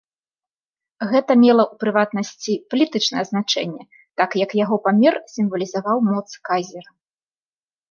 Гэта мела, у прыватнасці, палітычнае значэнне, так як яго памер сімвалізаваў моц кайзера.